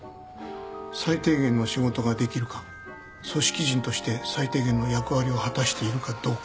最低限の仕事ができるか組織人として最低限の役割を果たしているかどうか。